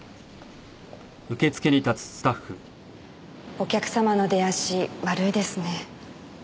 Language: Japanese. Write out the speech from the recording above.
お客様の出足悪いですね。